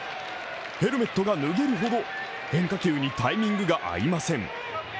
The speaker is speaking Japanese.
ヘルメットが脱げるほど、変化球にタイミングが合いません。